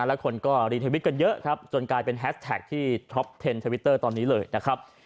แล้วคนก็รีทวิตกันเยอะครับจนกลายเป็นแฮสแท็กที่ท็อปเทนทวิตเตอร์ตอนนี้เลยนะครับ